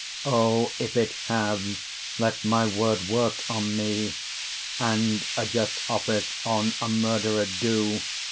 Oh, if it have, let my word worke on mee, And a just office on a murderer doe.